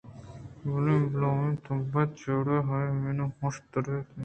بلے بلاہیں تبد ءُ چاہڑئے ءَ ہمے مین ہُشک ترّینت